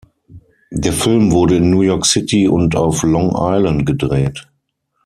Der Film wurde in New York City und auf Long Island gedreht.